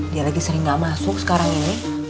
dia lagi sering nggak masuk sekarang ini